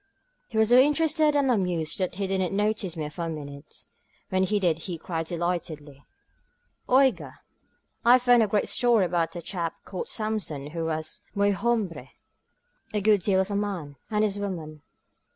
He was so interested and amused that he didn't notice me for a minute. When he did he cried delightedly: Oiga^ I have found a great story about a chap called Samson who was muy hombre — a good deal of a man— = and his woman.